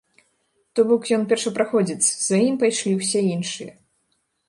То бок, ён першапраходзец, за ім пайшлі ўсе іншыя.